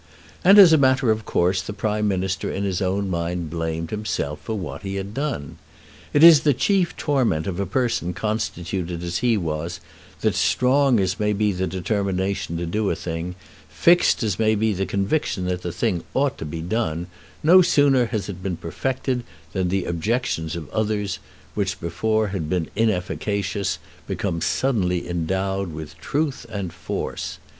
And as a matter of course the Prime Minister in his own mind blamed himself for what he had done. It is the chief torment of a person constituted as he was that strong as may be the determination to do a thing, fixed as may be the conviction that that thing ought to be done, no sooner has it been perfected than the objections of others, which before had been inefficacious, become suddenly endowed with truth and force.